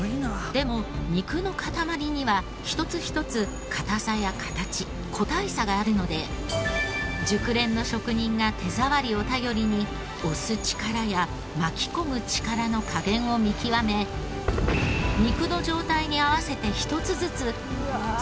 でも肉の塊には１つ１つ硬さや形個体差があるので熟練の職人が手触りを頼りに押す力や巻き込む力の加減を見極め肉の状態に合わせて１つずつ包み方を変える必要があるのです。